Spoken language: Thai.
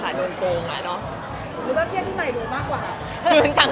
หาของเค้าเอง